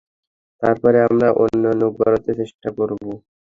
তারপরে আমরা অন্যান্য গর্তে চেষ্টা করব।